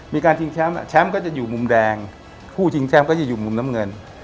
ชิงแชมป์แชมป์ก็จะอยู่มุมแดงคู่ชิงแชมป์ก็จะอยู่มุมน้ำเงิน